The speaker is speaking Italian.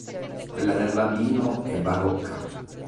Quella del Bambino è barocca.